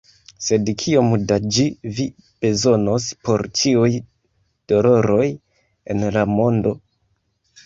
Sed kiom da ĝi Vi bezonos por ĉiuj doloroj en la mondo?